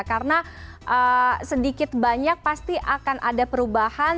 karena sedikit banyak pasti akan ada perubahan